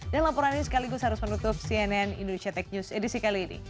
dan laporan ini sekaligus harus menutup cnn indonesia tech news edisi kali ini